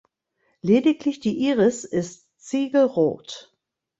Lediglich die Iris ist ziegelrot.